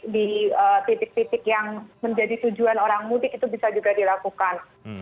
di titik titik yang menjadi tujuan orang mudik itu bisa juga dilakukan